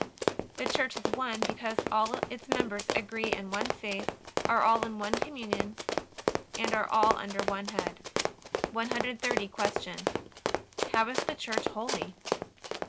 A. The Church is One because all its members agree in one faith, are all in one communion, and are all under one Head. 130. Q. How is the Church Holy?